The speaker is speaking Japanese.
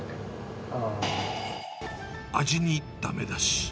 味にだめ出し。